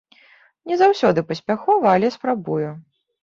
Не заўсёды паспяхова, але спрабую.